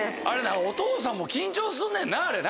お父さんも緊張すんねんなあれな。